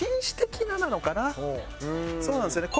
そうなんですよね。